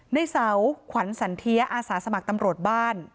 ในเสาขวัญสันเทียอาสาสมัครตำรวจบ้าน